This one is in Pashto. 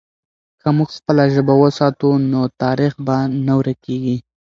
که موږ خپله ژبه وساتو، نو تاریخ به نه ورکېږي.